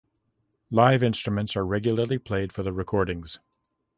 Live instruments are regularly played for the recordings.